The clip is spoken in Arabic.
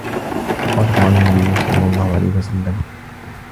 وَقَدْ قَالَ النَّبِيُّ صَلَّى اللَّهُ عَلَيْهِ وَسَلَّمَ